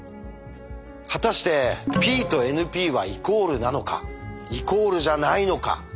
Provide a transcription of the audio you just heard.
果たしてＰとＮＰはイコールなのかイコールじゃないのか。